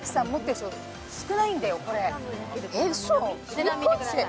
値段見てください